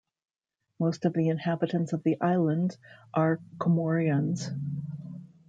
Most of the inhabitants of the island are Comorians.